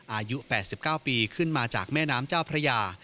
อายุ๘๙ปีขึ้นมาจากแม่น้ำเจ้าพระยา